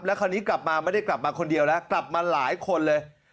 คราวนี้กลับมาไม่ได้กลับมาคนเดียวแล้วกลับมาหลายคนเลย